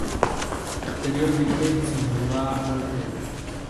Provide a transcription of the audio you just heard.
Posteriormente se mudó a Olten.